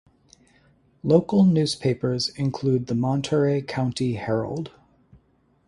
Locale newspapers include the "Monterey County Herald".